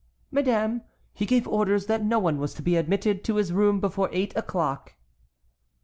"Madame, he gave orders that no one was to be admitted to his room before eight o'clock."